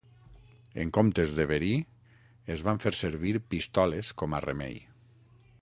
En comptes de verí, es van fer servir pistoles com a remei.